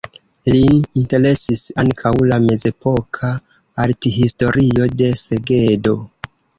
Lin interesis ankaŭ la mezepoka arthistorio de Segedo.